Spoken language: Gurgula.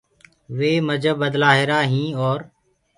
وي مجب بدلآهيرآ هينٚ اور